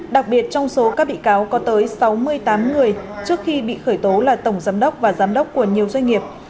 đặc biệt trong số các bị cáo có tới sáu mươi tám người trước khi bị khởi tố là tổng giám đốc và giám đốc của nhiều doanh nghiệp